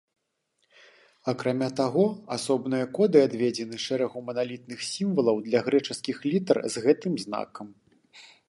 Акрамя таго, асобныя коды адведзены шэрагу маналітных сімвалаў для грэчаскіх літар з гэтым знакам.